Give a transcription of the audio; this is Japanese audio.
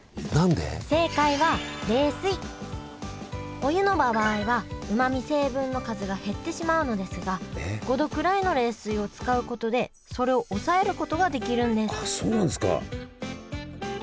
お湯の場合はうまみ成分の数が減ってしまうのですが５℃くらいの冷水を使うことでそれを抑えることができるんですそうなんですか。